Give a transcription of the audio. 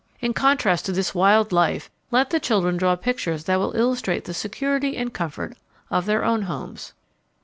In contrast to this wild life let the children draw pictures that will illustrate the security and comfort of their own homes.